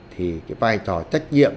thì cái vai trò trách nhiệm